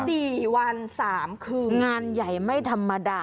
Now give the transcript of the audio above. ตีวันสามครึ่งงานใหญ่ไม่ธรรมดานะ